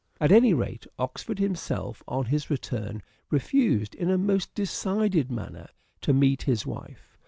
At any rate Oxford himself on his return refused, in a most decided manner, to meet his wife.